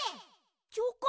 チョコタ！